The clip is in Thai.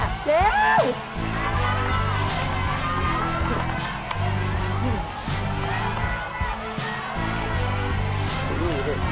เร็ว